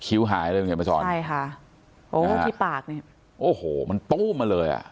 คิ้วหายแล้วเห็นไงพระสอนใช่ค่ะโอ้ที่ปากนี่โอ้โหมันตู้มาเลยอ่ะ